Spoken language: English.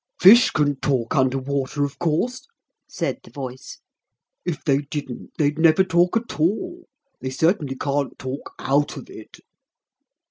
'Fish can talk under water, of course,' said the voice, 'if they didn't, they'd never talk at all: they certainly can't talk out of it.'